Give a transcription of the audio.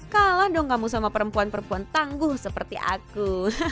kalah dong kamu sama perempuan perempuan tangguh seperti aku